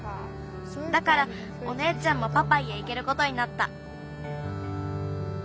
だからおねえちゃんもパパイへいけることになった。